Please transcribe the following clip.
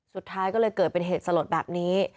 สุดท้ายก็เลยเกิดเป็นเหตุสลดแบบนี้